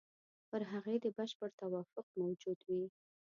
پر هغې دې بشپړ توافق موجود وي.